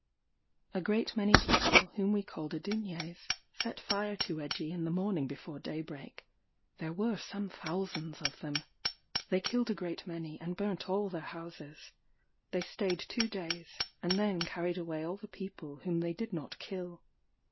A great many people, whom we called Adinyés, set fire to Egie in the morning before daybreak; there were some thousands of them. They killed a great many, and burnt all their houses. They staid two days, and then carried away all the people whom they did not kill.